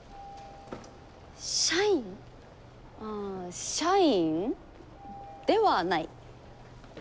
社員？社員ではない。